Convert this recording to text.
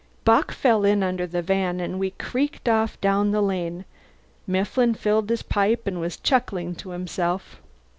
Bock fell in under the van, and we creaked off down the lane. Mifflin filled his pipe and was chuckling to himself.